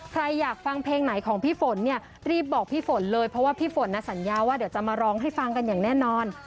ใครอยากฟังเพลงไหนของพี่ฝนเนี่ยรีบบอกพี่ฝนเลยเพราะว่าพี่ฝนนะสัญญาว่าเดี๋ยวจะมาร้องให้ฟังกันอย่างแน่นอน